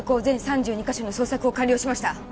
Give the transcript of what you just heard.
全３２カ所の捜索を完了しました